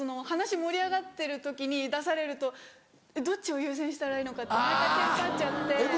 話盛り上がってる時に出されるとどっちを優先したらいいのかって毎回テンパっちゃって。